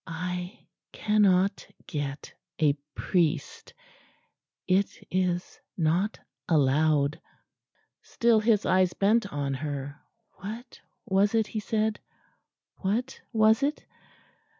"I cannot get a priest; it is not allowed." Still his eyes bent on her; what was it he said? what was it?...